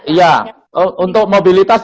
iya untuk mobilitas